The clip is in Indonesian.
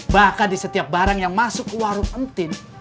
bahkan di setiap barang yang masuk ke warung entin